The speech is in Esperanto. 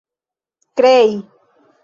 krei